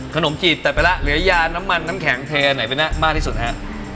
ขนมกีดแต่ไปแล้วเหลือยาน้ำมันน้ำแข็งเทไหนไปมากที่สุดฮะ